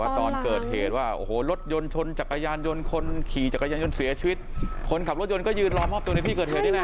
ตอนเกิดเหตุว่าโอ้โหรถยนต์ชนจักรยานยนต์คนขี่จักรยานยนต์เสียชีวิตคนขับรถยนต์ก็ยืนรอมอบตัวในที่เกิดเหตุนี่แหละ